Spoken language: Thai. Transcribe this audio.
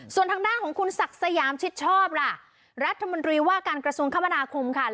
ส่วนทางด้านของคุณศักดิ์สยามชิดชอบล่ะรัฐมนตรีว่าการกระทรวงคมนาคมค่ะ